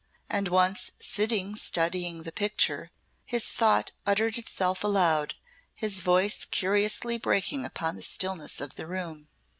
And once sitting studying the picture, his thought uttered itself aloud, his voice curiously breaking upon the stillness of the room.